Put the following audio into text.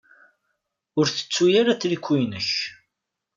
Ur tettu ara atriku-inek.